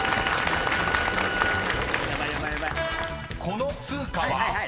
［この通貨は？］